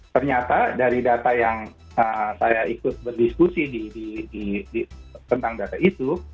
ternyata dari data yang saya ikut berdiskusi tentang data itu